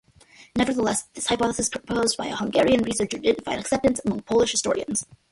Nevertheless, this hypothesis proposed by a Hungarian researcher didn't find acceptance among Polish historians.